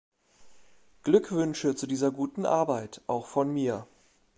Glückwünsche zu dieser guten Arbeit auch von mir!